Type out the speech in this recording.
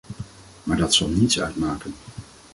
Maar dat zal niets uitmaken.